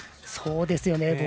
そうですね。